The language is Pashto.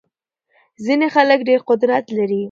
ځينې خلګ ډېر قدرت لري.